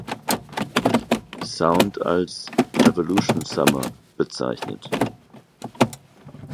Sound als "Revolution Summer" bezeichnet.